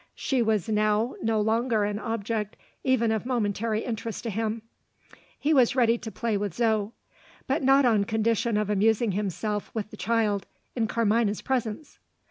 She was now no longer an object even of momentary interest to him. He was ready to play with Zo but not on condition of amusing himself with the child, in Carmina's presence.